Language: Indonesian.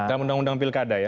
dalam undang undang pilkada ya